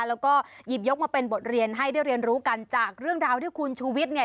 แล้วก็หยิบยกมาเป็นบทเรียนให้ได้เรียนรู้กันจากเรื่องราวที่คุณชูวิทย์เนี่ย